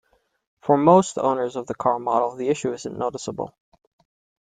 For most owners of the car model, the issue isn't noticeable.